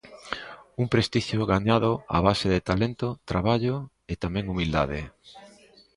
Un prestixio gañado a base de talento, traballo e, tamén, humildade.